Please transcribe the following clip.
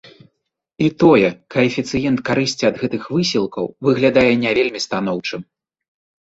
І тое каэфіцыент карысці ад гэтых высілкаў выглядае не вельмі станоўчым.